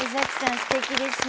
すてきですね。